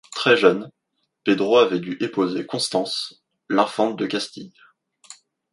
Très jeune Pedro avait dû épouser Constanza, l’infante de Castille.